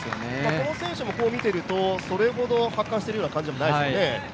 この選手も見ているとそれほど発汗しているような感じはないですね。